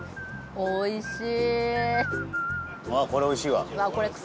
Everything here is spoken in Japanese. おいしい！